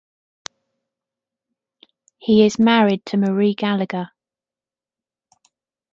He is married to Marie Gallager.